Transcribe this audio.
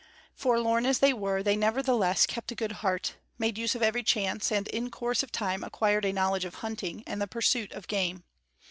Forlorn as they were, they nevertheless kept a good heart, made use of every chance and in course of time acquired a knowledge of hunting and the pursuit of game.